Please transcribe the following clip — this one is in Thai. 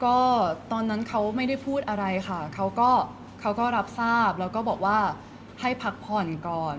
ก็ตอนนั้นเขาไม่ได้พูดอะไรค่ะเขาก็เขาก็รับทราบแล้วก็บอกว่าให้พักผ่อนก่อน